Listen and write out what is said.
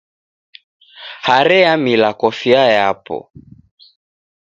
Hare yamila kofia yapo.